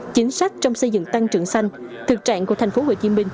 chính sách trong xây dựng tăng trưởng xanh thực trạng của tp hcm